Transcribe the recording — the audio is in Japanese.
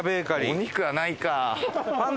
お肉はないか。